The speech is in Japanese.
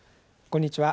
こんにちは。